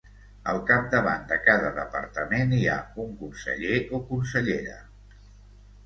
Al capdavant de cada departament hi ha un conseller o consellera.